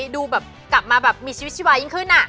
ดูกลับมามีชีวิตชีวายิ่งขึ้น